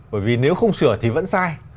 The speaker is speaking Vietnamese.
bởi vì nếu không sửa thì vẫn sai